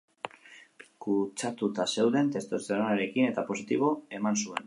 Kutsatuta zeuden testosteronarekin eta positibo eman zuen.